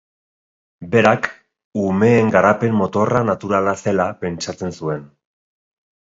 Berak, umeen garapen motorra naturala zela, pentsatzen zuen.